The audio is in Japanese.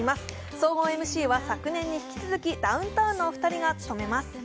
総合ＭＣは昨年に引き続きダウンタウンのお二人が務めます。